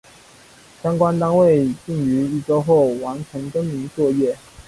相关单位并于一周后完成更名作业。